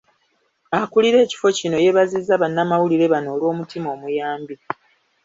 Akulira ekifo kino yeebazizza bannamawulire bano olw'omutima omuyambi .